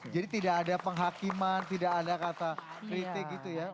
jadi tidak ada penghakiman tidak ada kata kritik gitu ya